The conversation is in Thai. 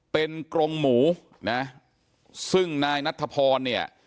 เป็นกรงหมูนะซึ่งนายนัทธพรเนี่ย